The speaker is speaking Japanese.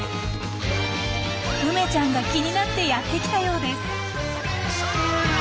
梅ちゃんが気になってやって来たようです。